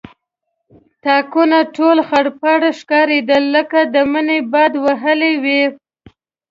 تاکونه ټول خړپړ ښکارېدل لکه د مني باد وهلي وي.